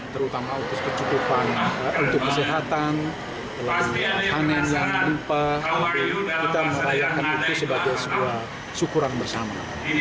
terutama untuk kecukupan untuk kesehatan panen yang lupa kita merayakan itu sebagai sebuah syukuran bersama